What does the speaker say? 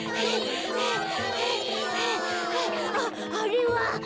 あっあれは！